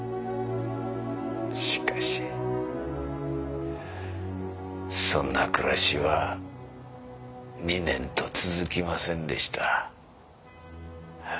しかしそんな暮らしは２年と続きませんでした。